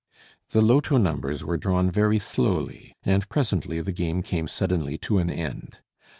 The loto numbers were drawn very slowly, and presently the game came suddenly to an end.